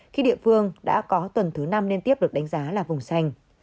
khi địa phương đã có tuần thứ năm liên tiếp được đánh giá là vùng xanh